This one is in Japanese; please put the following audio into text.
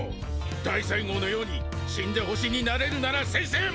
大西郷のように死んで星になれるなら先生も。